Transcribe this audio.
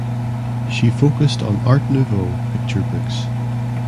She focused on Art Nouveau picture books.